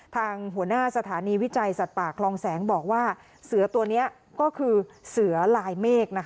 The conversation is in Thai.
ทางหัวหน้าสถานีวิจัยสัตว์ป่าคลองแสงบอกว่าเสือตัวนี้ก็คือเสือลายเมฆ